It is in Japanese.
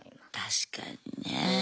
確かにね。